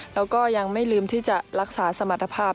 แล้วก็ยังไม่ลืมที่จะรักษาสมรรถภาพ